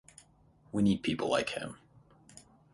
We need people like him.